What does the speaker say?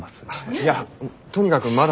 いやとにかくまだ。